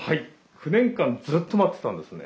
９年間ずっと待ってたんですね。